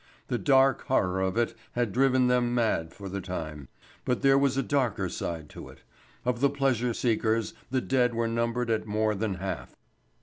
The dark horror of it had driven them mad for the time. But there was a darker side to it; of the pleasure seekers the dead were numbered at more than half.